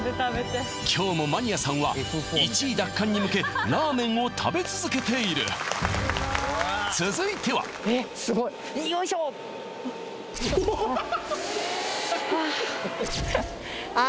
今日もマニアさんは１位奪還に向けラーメンを食べ続けている続いてはえっすごいよいしょああ